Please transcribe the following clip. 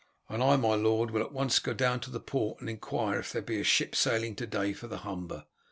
"And I, my lord, will at once go down to the port and inquire if there be a ship sailing to day for the Humber.